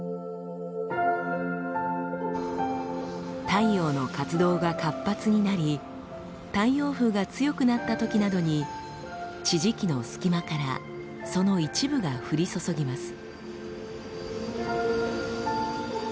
太陽の活動が活発になり太陽風が強くなったときなどに地磁気の隙間からその一部が降り注ぎます。